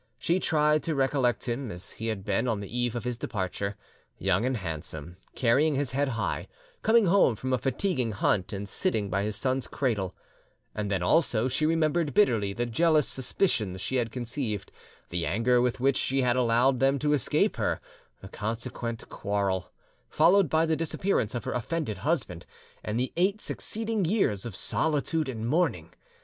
She tried to recollect him as he had been on the eve of his departure, young and handsome, carrying his head high, coming home from a fatiguing hunt and sitting by his son's cradle; and then also she remembered bitterly the jealous suspicions she had conceived, the anger with which she had allowed them to escape her, the consequent quarrel, followed by the disappearance of her offended husband, and the eight succeeding years of solitude and mourning.